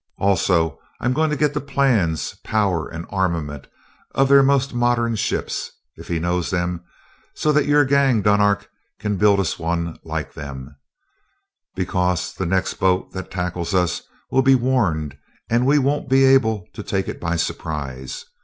Also, I'm going to get the plans, power, and armament of their most modern ships, if he knows them, so that your gang, Dunark, can build us one like them; because the next boat that tackles us will be warned and we won't be able to take it by surprise.